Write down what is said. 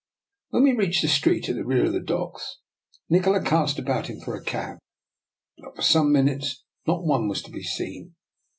When we reached the street at the rear of the docks Ni kola cast about him for a cab, but for some minutes not one was to be seen.